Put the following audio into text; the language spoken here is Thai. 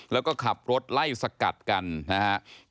แล้วก็ขับรถไล่สกัดกันนะครับ